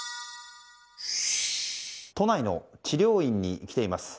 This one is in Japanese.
都内の治療院に来ています。